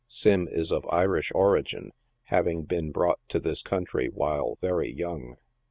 Sim is of Irish origin, having been brought to this country while very young.